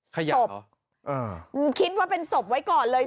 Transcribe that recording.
ศพคิดว่าเป็นศพไว้ก่อนเลย